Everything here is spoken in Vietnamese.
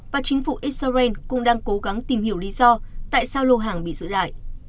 và chính phủ israel cũng đang cố gắng tìm hiểu lý do tại sao lô hàng bị giữ lại